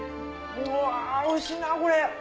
うわおいしいなこれ。